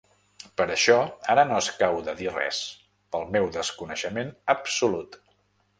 Per això ara no escau de dir res, pel meu desconeixement absolut.